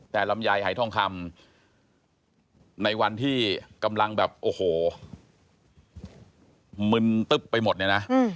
แต่ลำไยหายทองคำในวันที่กำลังแบบโอ้โหมึนตึ๊บไปหมดเนี่ยนะ